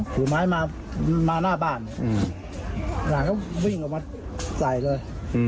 ถูกม้ายมาหน้าบ้านเหล่าง่าก็วิ่งออกมาใส่เลย